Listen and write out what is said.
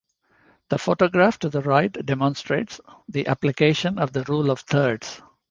The photograph to the right demonstrates the application of the rule of thirds.